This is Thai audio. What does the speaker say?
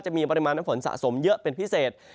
จะมีปริมาณน้ำฝนสะสมเยอะเป็นพิเศษ